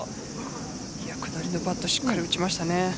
下りのパットしっかり打ちましたね。